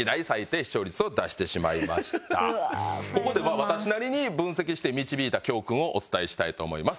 ここで私なりに分析して導いた教訓をお伝えしたいと思います。